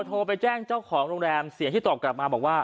โทรไปแจ้งเจ้าของโรงแรมเสียงที่ตอบกลับมาบอกว่า